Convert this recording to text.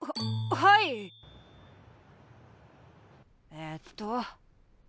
えっと？